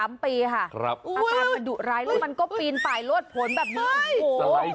อาการมันดุร้ายแล้วมันก็ปีนป่ายลวดผลแบบนี้